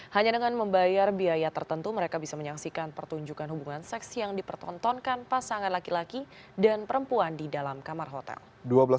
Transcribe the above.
hanya dengan membayar biaya tertentu mereka bisa menyaksikan pertunjukan hubungan seks yang dipertontonkan pasangan laki laki dan perempuan di dalam kamar hotel